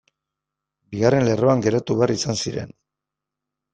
Bigarren lerroan geratu behar izan ziren.